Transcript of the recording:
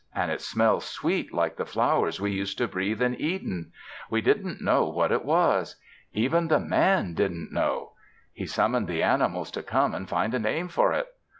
And it smells sweet like the flowers we used to breathe in Eden. We didn't know what it was. Even the Man didn't know. He summoned the animals to come and find a name for it.